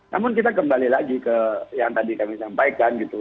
namun kita kembali lagi ke yang tadi kami sampaikan gitu